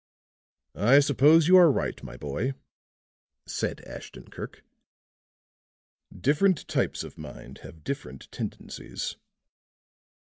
"I suppose you are right, my boy," said Ashton Kirk; "different types of mind have different tendencies."